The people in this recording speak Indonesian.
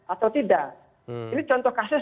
atau tidak ini contoh kasus